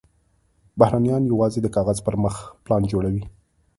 بهرنیان یوازې د کاغذ پر مخ پلان جوړوي.